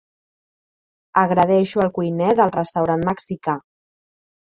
Agredeixo el cuiner del restaurant mexicà.